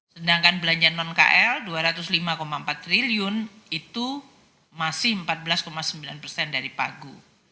sedangkan belanja non kl dua ratus lima empat triliun itu masih empat belas sembilan persen dari pagu